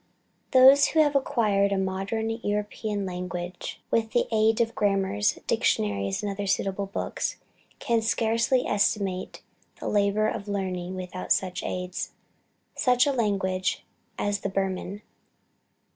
Those who have acquired a modern European language with the aid of grammars, dictionaries, and other suitable books, can scarcely estimate the labor of learning without such aids, such a language as the Burman.